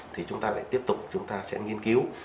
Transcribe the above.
thì chúng ta lại tiếp tục chúng ta sẽ nghiên cứu